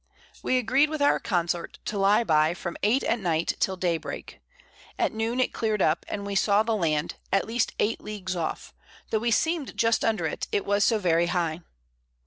We agreed with our Consort to lie by from 8 at Night till day break. At Noon it clear'd up, and we saw the Land, at least 8 Leagues off, tho' we seem'd just under it, it was so very high.